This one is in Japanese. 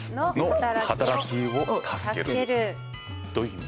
どういう意味？